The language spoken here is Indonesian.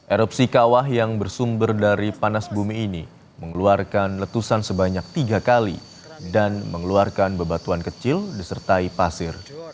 erupsi kawah yang bersumber dari panas bumi ini mengeluarkan letusan sebanyak tiga kali dan mengeluarkan bebatuan kecil disertai pasir